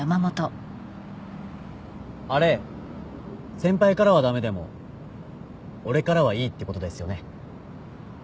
あれ先輩からは駄目でも俺からはいいってことですよね。